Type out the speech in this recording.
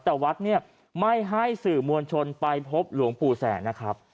แต่วัดเนี่ยไม่ให้สื่อมวลชนไปพบหลวงปู่แสงนะครับ